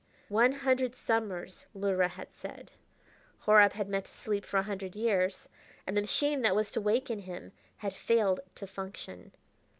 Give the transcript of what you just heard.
One hundred summers, Luhra had said Horab had meant to sleep for a hundred years and the machine that was to waken him had failed to function.